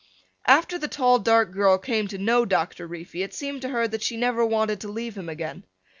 After the tall dark girl came to know Doctor Reefy it seemed to her that she never wanted to leave him again.